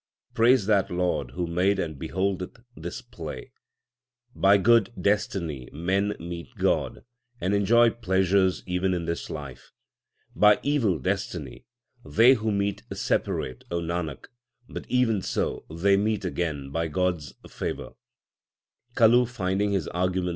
Praise that Lord who made and beholdeth this play. By good destiny men meet God and enjoy pleasures even in this life. By evil destiny they who meet separate, O Nanak, but even so they meet again by God s favour. 3 * Suhi Chhant.